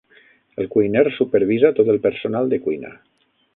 El cuiner supervisa tot el personal de cuina.